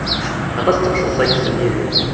Aṭas n temseḍṣa i yessen Yidir.